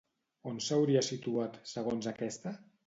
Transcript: On s'hauria situat segons aquesta?